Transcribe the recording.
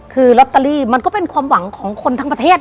คือลอตเตอรี่มันก็เป็นความหวังของคนทั้งประเทศ